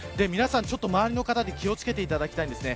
周りの方で気を付けていただきたいです。